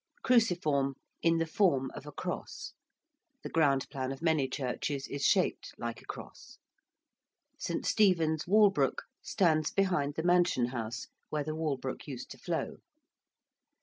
~cruciform~: in the form of a cross. The ground plan of many churches is shaped like a cross. ~St. Stephen's, Walbrook~, stands behind the Mansion House, where the Walbrook used to flow.